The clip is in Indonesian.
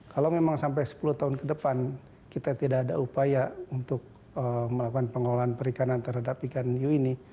kalau memang sampai sepuluh tahun ke depan kita tidak ada upaya untuk melakukan pengelolaan perikanan terhadap ikan hiu ini